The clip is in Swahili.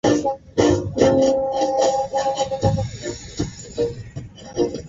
gine ni agwe awori wa eneo bunge la